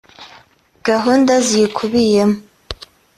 Gahunda ziyikubiyemo